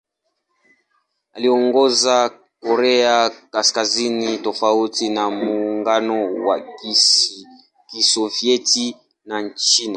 Aliongoza Korea Kaskazini tofauti na Muungano wa Kisovyeti na China.